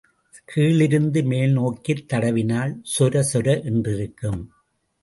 கீழிருந்து மேல் நோக்கித் தடவினால் சொரசொர என்றிருக்கும்.